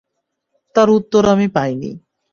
তার উত্তর আমি পাইনি।